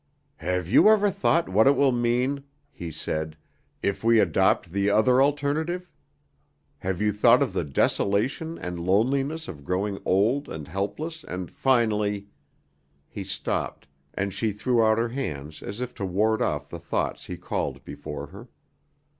"Have you ever thought what it will mean," he said, "if we adopt the other alternative? Have you thought of the desolation and loneliness of growing old and helpless and finally " He stopped, and she threw out her hands as if to ward off the thoughts he called before her.